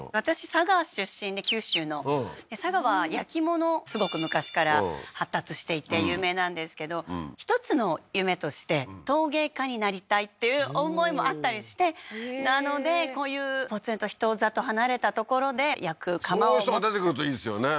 佐賀出身で九州のうん佐賀は焼き物すごく昔から発達していて有名なんですけど１つの夢として陶芸家になりたいっていう思いもあったりしてへえーなのでこういうポツンと人里離れた所で焼く窯そういう人が出てくるといいですよね